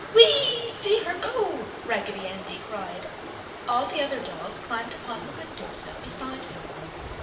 "Whee! See her go!" Raggedy Andy cried. All the other dolls climbed upon the window sill beside him.